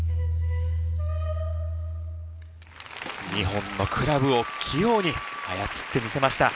２本のクラブを器用に操ってみせました。